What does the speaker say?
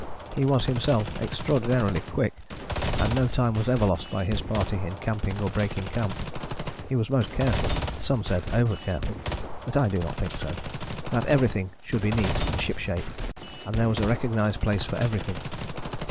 He was himself extraordinarily quick, and no time was ever lost by his party in camping or breaking camp. He was most careful, some said over careful but I do not think so, that everything should be neat and shipshape, and there was a recognized place for everything.